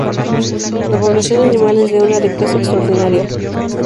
La población animal es de una riqueza extraordinaria.